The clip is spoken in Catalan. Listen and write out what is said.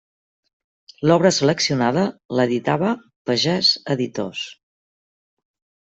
L'obra seleccionada l'editava Pagès Editors.